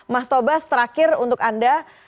mas taufik bas terakhir untuk anda